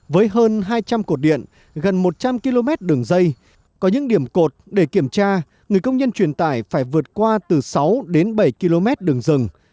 với hơn hai trăm linh cột điện gần một trăm linh km đường dây có những điểm cột để kiểm tra người công nhân truyền tải phải vượt qua từ sáu đến bảy km đường rừng